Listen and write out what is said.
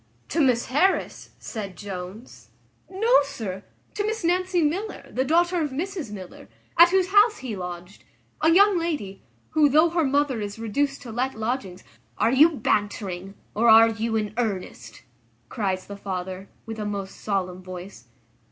"To Miss Harris!" said Jones; "no, sir; to Miss Nancy Miller, the daughter of Mrs Miller, at whose house he lodged; a young lady, who, though her mother is reduced to let lodgings " "Are you bantering, or are you in earnest?" cries the father, with a most solemn voice.